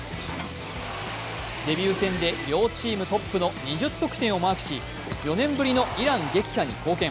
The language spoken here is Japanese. デビュー戦で両チームトップの２０得点をマークし４年ぶりのイラン撃破に貢献。